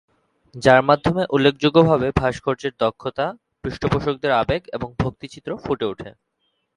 যার মাধ্যমে উল্লেখযোগ্যভাবে ভাস্কর্যের দক্ষতা, পৃষ্ঠপোষকদের আবেগ এবং ভক্তি চিত্র ফুটে উঠে।